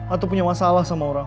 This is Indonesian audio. atau punya masalah sama orang